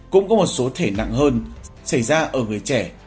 cũng có một số thể nặng hơn xảy ra ở người trẻ